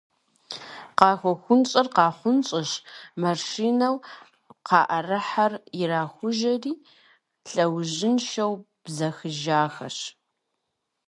КъахуэхъунщӀэр къахъунщӀэщ, маршынэу къаӀэрыхьэр ирахужьэри, лъэужьыншэу бзэхыжахэщ.